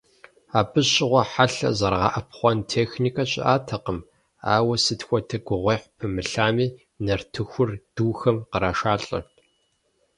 Абы щыгъуэ хьэлъэ зэрагъэӏэпхъуэн техникэ щыӏэтэкъым, ауэ, сыт хуэдэ гугъуехь пымылъами, нартыхур духэм кърашалӏэрт.